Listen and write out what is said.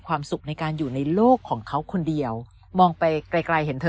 สุขในการอยู่ในโลกของเขาคนเดียวมองไปไกลไกลเห็นเธอ